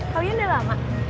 kak uian udah lama